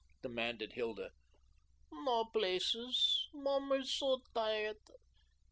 demanded Hilda. "No places. Mommer's soh tiredt.